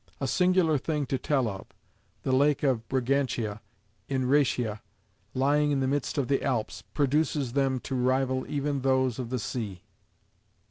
A singular thing to tell of — the lake of Brigantia," in Rhaetia, lying in the midst of the Alps, produces them to rival even those of the sea.